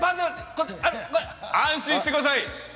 安心してください！